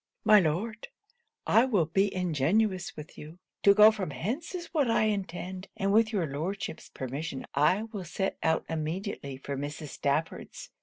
'My Lord, I will be ingenuous with you. To go from hence is what I intend, and with your Lordship's permission I will set out immediately for Mrs. Stafford's.